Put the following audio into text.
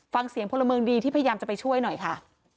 ฟังเสียงพลเมืองดีที่พยายามจะไปช่วยหน่อยค่ะ